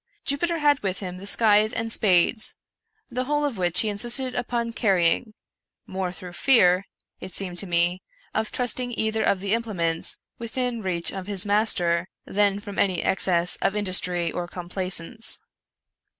Jupiter had with him the scythe and spades — the whole of which he insisted upon carrying — more through fear, it seemed to me, of trusting either of the implements within reach of his master, than from any excess of industry or complaisance.